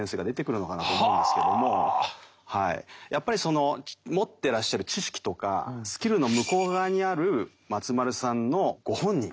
やっぱりその持ってらっしゃる知識とかスキルの向こう側にある松丸さんのご本人。